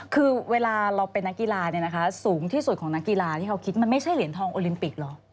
คือเวลาเราเป็นนักกีฬาเนี่ยนะคะสูงที่สุดของนักกีฬาที่เขาคิดมันไม่ใช่เหรียญทองโอลิมปิกเหรอ